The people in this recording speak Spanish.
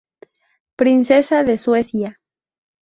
Princesa de Suecia.